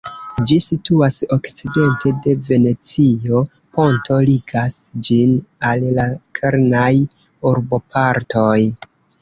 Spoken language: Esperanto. Ĝi situas okcidente de Venecio; ponto ligas ĝin al la kernaj urbopartoj.